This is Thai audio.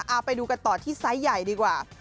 เอาไปดูกันต่อที่ไซส์ใหญ่ดีกว่า